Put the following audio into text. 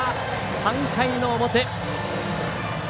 ３回の表。